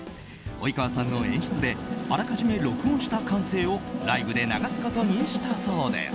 及川さんの演出であらかじめ録音した歓声をライブで流すことにしたそうです。